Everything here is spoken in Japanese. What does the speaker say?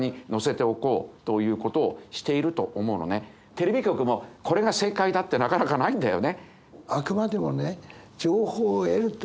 テレビ局もこれが正解だってなかなかないんだよね。